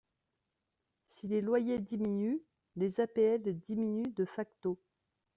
Si les loyers diminuent, les APL diminuent de facto.